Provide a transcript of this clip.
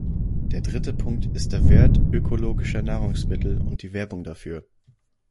Der dritte Punkt ist der Wert ökologischer Nahrungsmittel und die Werbung dafür.